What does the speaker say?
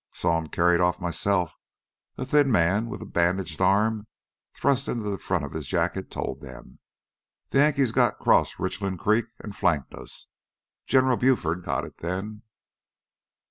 "... saw him carried off myself," a thin man, with a bandaged arm thrust into the front of his jacket, told them. "Th' Yankees got 'cross Richland Creek and flanked us. General Buford got it then."